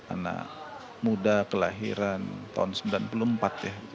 anak muda kelahiran tahun seribu sembilan ratus sembilan puluh empat ya